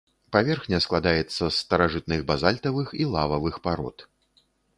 Паверхня складаецца з старажытных базальтавых і лававых парод.